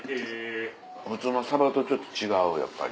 普通のとちょっと違うやっぱり。